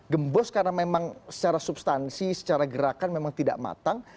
gembos karena memang secara substansi secara gerakan memang tidak matang